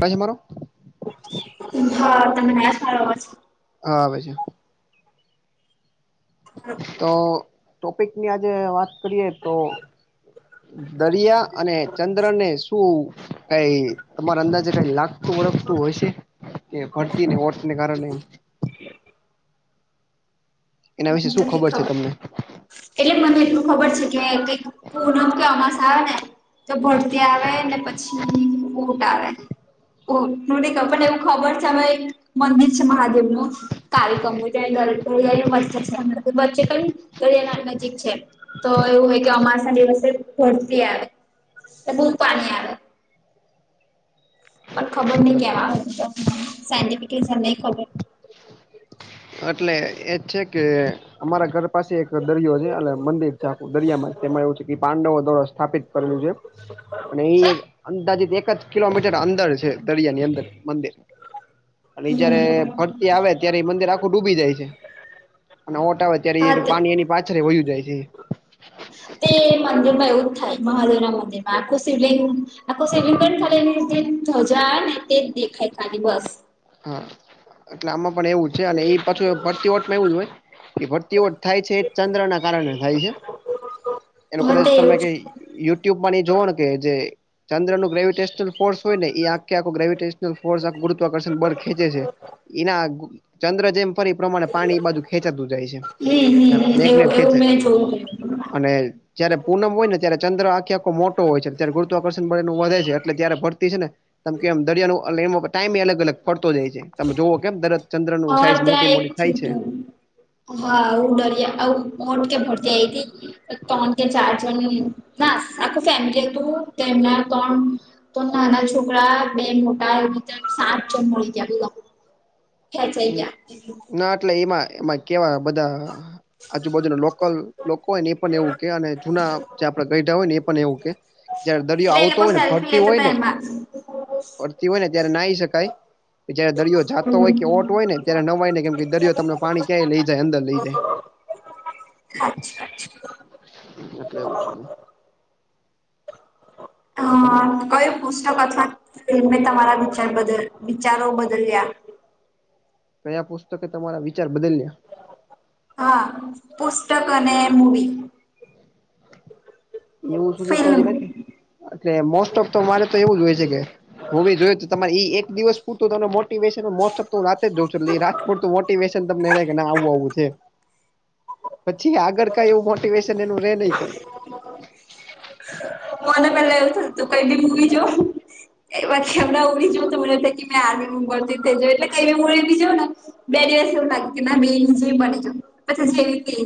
પાણી ભરો. હા, તમે ના સાર છો. હા, ભાઈ. તો ટોપિક ની આજે વાત કરીએ તો. દરિયા અને ચંદ્ર ને, શું કઈ તમાર અંદર કઈ લાગ હું ઓળખતું હોય છે કે, ભરતીને વટને કારણે એના વિશે મને તો શું નહી ખબર છે તમને? એટલે મને એટલું ખબર છે કે, કઈક નમ કેમાસ આવે ને. તો ભરતી આવે ને, પછી ઉટ આવે. ઓ ન ક પણ એવું ખબર છે, અમાં એક મંદિર છે, મહાદેવ નું. કાર્યકમોનેચ્ચે ક [unintelligible] ઠીક છે, તો એવું હોય કે, અમારસા ના દિવસે ભરતી આવે. એ બહુ પાણી આવે. પણ ખબર નહીં કેવા હતા, સાયન્ટફલી નહી ખબર. એટલે એજ છે કે, અમારા ઘર પાસે એક દરિયો છે, એટલે મંદિર છે, આખું દરિયા માં તેમાં એવું છે કે, પાંડવો દ્વારા સ્થાપિત કરેલું છે. અને એ અંદાજીત એક જ કિલોમીટર અંદર છે, દરિયા ની અંદર મંદિર અને જયારે હમ ભરતી આવે, ત્યારે મંદિર ડૂબી જાય છે, અને ઓટ આવે, ત્યારે હા એ તે પાણી એની પાછળ વય્યું જાય છે. તે મંદિર માં એવું જ થાય, મહાદેવ ના મંદિર માં આખું શિવલિંગ, આખું શિવલિંગ પણ ખાલી એમ. ધજા નહી તે જ દેખાય ખાલી, બસ. હા, એટલે આમાં પણ એવું છે, અને એ પાછા ફરતી વટમાં એવું જ હોય. એ ભરતીઓ થાય છે, એ ચંદ્ર ના કારણે થાય છે, એનું હા કદાચ તે તમે એવું જ કઈ યુટ્યુબમાં જો કે જે ચંદ્ર નું ગ્રેવિટેશનલ ફોર્સ હો ને, એ આખે ગેવિટેશનલ ફોર્ુત્વર્શે [unintelligible] બળ ખેંચે છે, એના ચંદ્ર જેમ ફરી પ્રમાણે પાણી બાજુ ખેંચાતું જાય છે, હમ હમ એવું મેગ્નેટ ખેચ. એવું મેં જોયું હતું. અને જયારે પૂનમ હોય ને, ત્યારે ચંદ્ર આખે આખો મોટો હોય છે. ત્યારે ગુરુત્વાકર્ષણ વધે છે, એટલે જયારે ભરતી છે ને, તમ કેમ દરિયા ન એ ટાઈમે એ અલગ-અલગ. પડતો જાય છે, તમે જોવો કેમ દર ચંદ્ર નું અમારે સાઈઝ ત્યાં એક મોટી-મોટી થાય થયું છે. તું. હા, હ ડરીયા આવ હર ટ કે ભરતી જઈતી [unintelligible] ત્રણ કે, ચાર જણ ના આખું ફેમિલી હતું, એમના ત્રણ તો નાના છોકરા બે મોટા એતે સાત જણ મળી ગયા, બ ક જઈ ક [unintelligible] ના, એટલે એમાં-એમાં કેવા બધા, આજુબાજુના લોકલ લોકો હોય ને, એ પણ એવું કે, અને જૂના જે આપડે ગયા હોય ને, એ પણ એવું કે જયારે દરિયો એટલે એ આવતો લોકો હોય ને, સેલ્ફી ફરતી લેતા હોય હતા ને, એમાં ફરતી હોય ને, ત્યારે નાહી શકાય. કે જયારે દરિયો જાતો હોય. કે ઓટ હમ હોય ને, ત્યારે નવાય ને કેમ કે, દરિયો તમને પાણી ક્યાંય લઈ જાય, અંદર લઈ જાય. અચ્છા, અચ્છા. એટલે એવું છે અ તો તમે કયું પુસ્તક અથવા ફિલ્મે તમારા વિચાર બદલ વિચારો બદલ્યા. કયા પુસ્તકે તમારા વિચાર બદલ્યા? હા, પુસ્તક અને મૂવી. એવું સુધી તો જ ફિલ્મ નથી, એટલે મોસ્ટ ઓફ તો મારે તો એવું જ હોય છે કે. હું ભી જોય, તમારે એક દિવસ પૂરતું ત મોટીવેશન મોસ્ટફ. હ, રાતે જ જાઉ છું એટ પરતું મોટિવેશન તમને રહે આવું આવું છે. પછી આગળ કઈ એવું મોટિવેશન એનું રે નહી કઈ. મને પેલા એવું થું તું કઈ મૂવી જો. એ બાકી હમણાં ઉડી જોય તો, મને કે મેં આર્મી ઉબરતી તે, જો એટલે કેઈવી એ બી જો ને. બે દિવસ એવું લાગે કે, ના બે જે બની, પછી જેવી.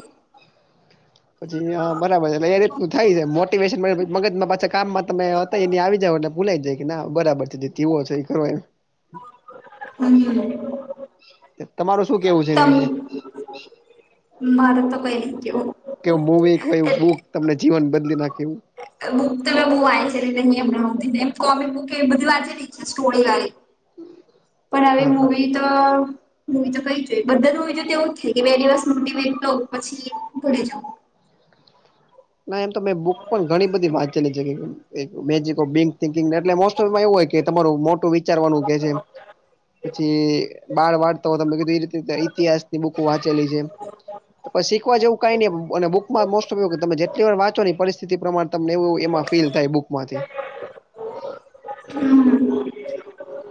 પછી હા, બરાબર છે, એટલે એ રીતનું થાય છે, મોટિવેશન મગજમાં પાછા કામમાં તમે એની આવી જાવ, એલે ભૂલાય જાય કે, ના બરાબર છે, જે તીવો છે, એ કરો એ. હમ. તમારું શું કેવું છે, એ તમ વિશે? મારે તો કંઈ નહીં કહેવું. કેવું મવી કે, એ બુક તમને જીવન બદલી નાખે એવું. બુક તમે બુ વાય છેહી, એમને કોમિક બુક એ, બધી વાંચેલી છે સ્ટોરી વાળી. હમ. પણ હવે મૂવી તો. હું તો કઈ જોઈએ, બધા જો એવું થાય કે, બે દિવસ મોટીવેટ તોઉં પછી ઘરી જઉ. ના, એમ તો મેં બુક પણ ઘણી-બધી વાંચેલી છે, ઓ માં એવું હોય કે, તમારું મોટું વિચારવાનું કે છે, પછી બાળ વાળતો તો બી. ઈતિહાસ ની બુકો વાંચેલી છે, શીખવા જેવું કઈ ન. મોસ્ટ ઓફ તમે જેટલી વાર વાચો ને પરિસ્થિતિ પ્રમાણે, તમને એવું એમાં ફીલ થાય બુકમાંથી. હમ.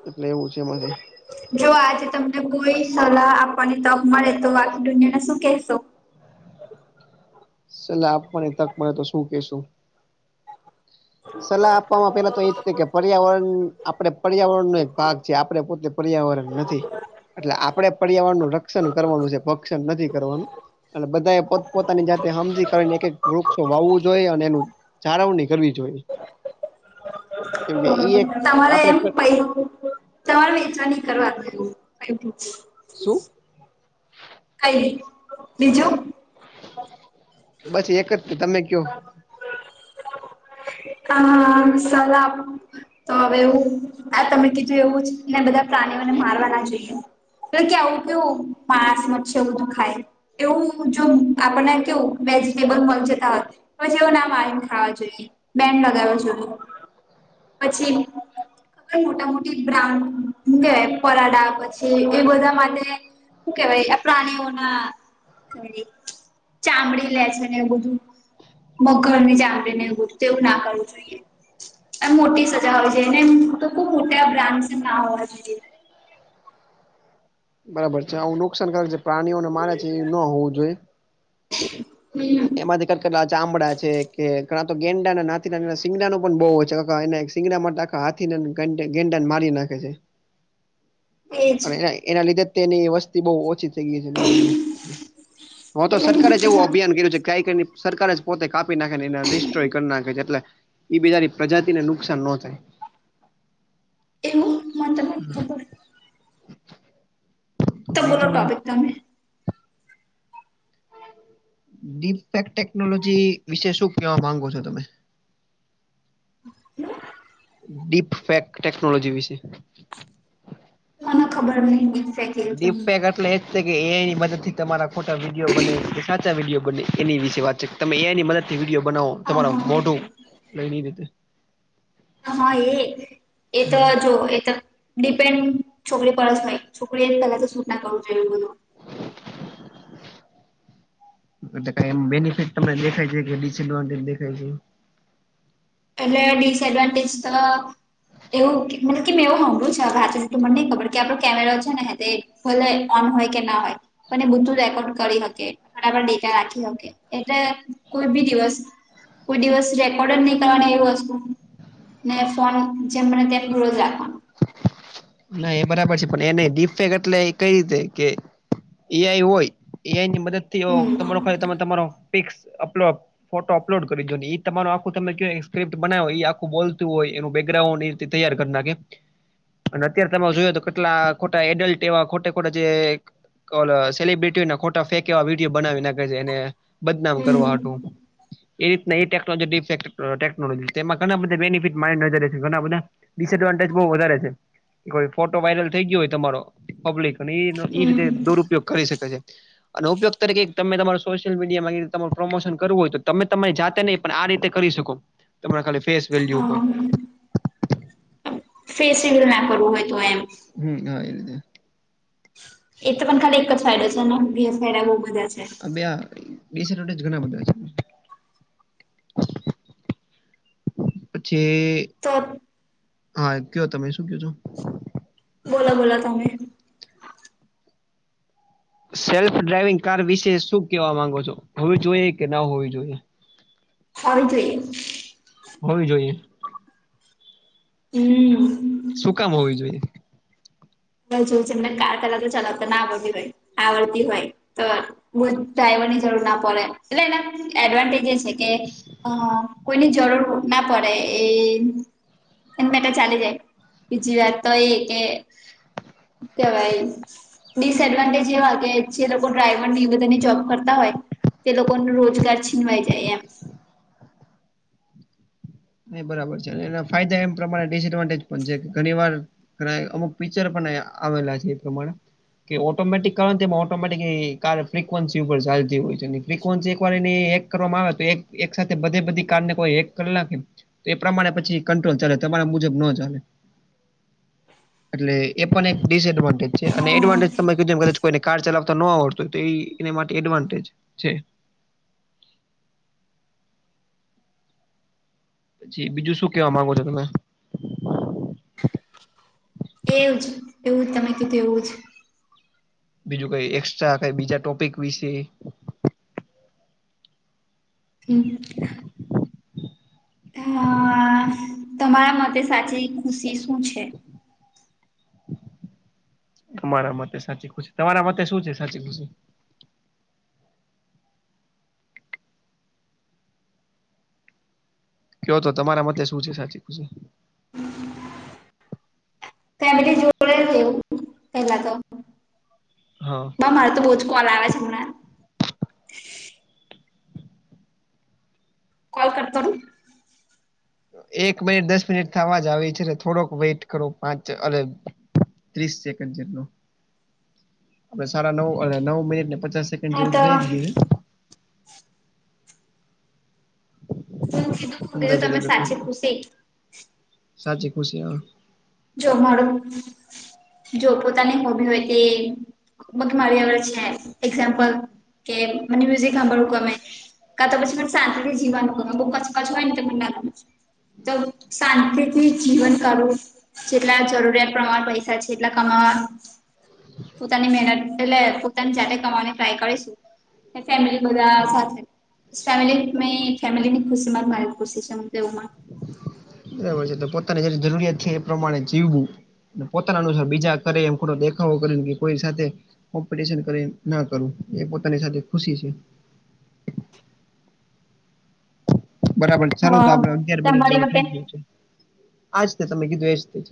એટલે એવું છે, માંથી. જો આજે તમને કોઈ સલાહ આપવાની તક મળે, તો આખી દુનિયાને શું કેહેશો? સલા આપવાને, તક મળે તો શું કેશું? સલાહ આપવામાં પેલા તો એજ છે કે, પર્યાવરણ આપણે પર્યાવરણનો એક ભાગ છે, આપણે પોતે. પર્યાવરણ નથી, એટલે આપડે પર્યાવરણ નું રક્ષણ કરવાનું છે, ભક્ષણ નથી કરવાનું. અને બધા એ પોત-પોતાની જાતે હજી કરીને, એક એક વૃક્ષો વાવું જોઈએ, અને એનું ચારાઉન્ડ ની કરવી જો હોઈ. ઈ એક તમારે એમ આપડે પ તમારે વેચવાની કરવાત શું? કઈ બીજું? બસ એક જ તમે કયો? હ, સલા તો હવેવું આ તમે કીધું એવું જ ને, બધા પ્રાણીઓને મારવા ના જોઈએ. એટલે કે, આવું કેવું માંસ મ છેવધું ખાય. એવું જો આપણને કેવું, વેજીિટેબલ મળે જતા હોય. પછવો ના મારીમ ખાવા જોઈએ, બેન લગાવવા જો. [unintelligible] પછી? પણ મોટા-મોટી બ્રાઉન કે, પરાડા પછી એ બધા માટે શું કેવાય પ્રાણીઓના? ખ ચામડી લે છે ને, એવું બધું. મગ ઘર ની ચામડી નવું તેવું ના કરવું જોઈએ. અને મોટી સજા હોય છે, એને તો ખુબ મોટા બ્રાન્ડ ના હોવા જોઈ. બરાબર છે, આવું નુકસાનકારક જે પ્રાણીઓને મારે છે, એ ન હોવું જોઈએ. હમ. એમાંથી કેટલા ચામડા છે કે, ઘણા તો ગેંડા ના ના સીંગડાનું પણ બઉુ સિંગડા. હાથી ગેંડા ને મારી નાખે છે. એજ અને એના લીધે તેની વસ્તી બહુ ઓછી એવું બધું હ તો એટલે સરકારે બીજું જેવું કીધું અભિયાન કર્યું છે. કઈક સરકાર જ પોતે કાપી નાખે ને, એને રિસ્ટ્રોય કરી નાખે છે એટલે. એ બજાની પ્રજાતિને નુકસાન ન થાય. [unintelligible] તો બોલો ટોપિક [unintelligible] તમે? ડીક ટેકનોલોજી વિશે શું કહેવા માંગો છો તમે? [unintelligible] ડીપ ફેક ટેકનોલોજી વિશે મને ખબર નહી હો. Deep peg play. એ કે એની મદદથી તમારા ખોટા વિડીયો બને કે, સાચા વિડીયો બને એની વિશે વાત છે. તમે એની મદદ થી વિડીયો બનાવો, હા તમારે મોઢું હા લઈ રીતે. હા, એ એ તો હમ જો એ તો ડિપેન્ડ છોકરી પરડસ ન છોકરી એને, પેલા તો સુૂટના કરું જોઈ. [unintelligible] એલે ક એમ બેનફિટ તમને દેખાય છે કે, ડિસડવાન્ટેજ દેખાય છે. એટલે ડિસએડવાન્ટેજ તો એવું મતલબ કે મેં એવું હમડું છે, વાત કે મને નહીં ખબર કે, આપડા કેમેરા છે ને. હલે ઓન હોય કે, ના હોય. અને બધું રેકોર્ડ કરી શકે, ડેટા રાખી શકે, એટલે કોઈ બી દિવસ કોઈ દિવસ રેકોર્ડર નઈ. ત એ વસ્તુ ને ફોન જેમને તેમ જોડે રાખવાનો ના એ બરાબર છે પણ એ ની ડિફેક એટલે કઈ રીતે કે એઆઈ હોય એઆઈ ની મદદ થી હમ તમારો કાય તમારો પિક્સ અપલો ફોટો અપલોડ કરી દો ને એ તમારુ આખું તમે જો સ્કિપ્ટ બનાવું એ આખું બોલતું હોય એનું બેકગ્રાઉન્ડ તે તૈયાર કર નાખે એમ અને અત્યારે તમે જોયો તો કેટલા ખોટા એડલ્ટ એવા ખોટા ખોટા જે કોલ અ સેલિબ્રિટી ના ખોટા ફેંકે એવા વિડીયો બનાવી નાખે છે એને બદનામ હમ કરવા હાટુ એ રીતના એ ટેકનોલોનોમાં ઘણા બધા બેનિફિટ મારી નજર છે ઘણા બધા ડિસ એડવાન્ટેજ બહુ વધારે છે કે ફોટો વાયરલ થઈ ગયો હોય તમારો પબ્લિક અને એ એ હમ રીતે દુરુપયોગ કરી શકે છે. અને ઉપયોગ તરીકે તમે તમારું સોશિયલ મીડિયામાં કીધું તમારું પ્રમોશન કરવું હોય તો તમે તમારી જાતે નહી પણ આ રીતે કરી શકો તમે તમારી ફેસ અ વેલ્યુ ઉપર ફેસ રિંગ ના કરવું હોય તો એમ હમ્મ હા એ રીતે એ તો પણ ખાલી એક જ સાઈડે છે બે સાઈડ બહુ બધા છે. અ બે આ ડીસ એડવાન્ટેજ ઘણા બધા છે [inaudible] પછી તો હા એમ કયો તમે શું કયો છો બોલા બોલા તમે સેલ્ફ ડ્રાઈવિંગ કાર વિશે શું કેવા માંગો છો હોવી જોઈએ કે ના હોવી જોઈએ? હોવી જોઈએ. હોવી જોઈએ. હમ્મ. શું કામ હોવી જોઈએ? બ જો જેમને કાર કલાર તો ચલાવતા ના આવડતી હોય આવડતી હોય. તો બઉ ડ્રાઈવરની જરૂર ના પડે એટલે એના એડવાન્ટેજ એ છે કે અ કોઈની જરૂર ના પડે એ એમને તો ચાલી જાય કે બીજી વાત તો એ કે જવાય ડિસ એડવાન્ટેજ એવા હોય કે જે લોકો ડ્રાઈવર બધાની જોબ કરતા હોય તે લોકોનું રોજગાર છીનવાઈ જાય એમ. બરાબર છે અને એના ફાયદા એમ પ્રમાણે ડિસએડવાન્ટેજ પણ છે કે ઘણી વાર છોકરાએ અમુક પિક્ચર પણ આવેલા છે એ પ્રમાણે કે ઓટોમેટિક કારણ તેમાં ઓટોમેટિક કાર ફ્રિકવન્સી ઉપર ચાલતી હોય છે અને ફ્રિકવન્સી એકવાર એની એક કરવામાં આવે તો એક એક સાથે બધે બધી કારને કોઈ એક કલાક તે એ પ્રમાણે પછી કંટ્રોલ ચાલે તમારા મુજબ નો ચાલે એટલે એ પણ એક ડિસએડવાન્ટેજ છે અને હા એડવાન્ટેજ તમે કીધ કદાચ કોઈને કાર ચલાવતો નો આવડતું હોય તો ઈ એની માટે એડવાન્ટેજ છે. છે બીજું શું કેવા માંગો છો તમે? એવું જ એવું જ તમે કીધું એવું જ બીજું કઈ એક્સ્ટ્રા કઈ બીજા ટોપિક વિશે? હમ્મ. [inaudible] અ તમારા મતે સાચી ખુશી શું છે? [inaudible] તમારા મતે સાચી ખુશી તમારા મતે શું છે, સાચી ખુશી? કેવો તો તમારા મતે શું છે, સાચી ખુસી? ફેમિલી જોડે જેવુ પેલા તો. હા. મારે તો બો જ કોલ આવે છે હમણાં. કોલ કટ કરુ. એક મિનિટ દસ મિનિટ થાવા જ આવી છે, તો થોડોક વેટ કરો પાંચ અવે ત્રીસ સેકન્ડ જેટ પહી સાડા નવ અને નવ મિનિટને પચાસે હા તો જેવું થઈ જ શું ગીયું હે. હું છે કીધું એ અંદાજે તમે એટલે સાચી થોડું ખૂસે સાચી ખુશી અ. જો માડું, જો પોતાને હોબી ઓય તે ઓત મારી આગડ છે, એક્ઝામ્પલ કે મને મ્યુઝિક હાંભળવું ગમે. કા તો પછી મને સાંતી તી જીવાનું ગમે, બો કચકચ ઓય ન ત મને ના ગમે. તો શાંતિથી જ જીવન કાઢવું જેટલા જરૂરિયાત પ્રમાણ પઈસા છે. જેટલા કમાવા, પોતાની મેનત એટલે પોતાની જાતે કમાવાની ટ્રાય કરીસ. ફેમિલી બધા સાથે ફેમેલી મેં ફેમિલીની ખુશી માયી ખુશી છે, હુ તો એવું માનુ. બરાબર છે. તો પોતાની જે જરૂરિયાત છે, એ પ્રમાણે જીવું. પોતાના અનુસાર બીજા કરે, એમ પુરો દેખાવો કરીને બીજ કોઈ સાથે કોમ્પીટીસન કરીન ના કરું, એ પોતાની સાથે ખુશી છે. બરાબર ચાલું તો આપડે, હા અગિયાર મિનિટ તમારી જેવું થઇ માટે ગીયું છે. આજ ત તમે કીધું એજ ત.